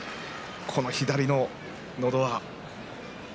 この左ののど輪。